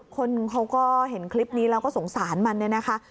คนเขาก็เห็นคลิปนี้แล้วก็สงสารมันเนี่ยนะคะ